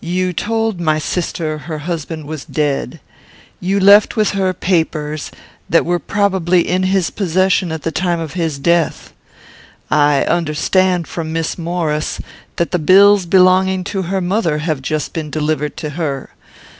"You told my sister her husband was dead. You left with her papers that were probably in his possession at the time of his death. I understand from Miss Maurice that the bills belonging to her mother have just been delivered to her.